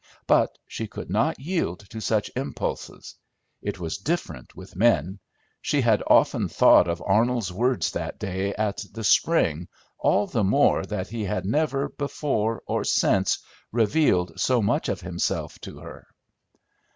But she could not yield to such impulses. It was different with men. She had often thought of Arnold's words that day at the spring, all the more that he had never, before or since, revealed so much of himself to her.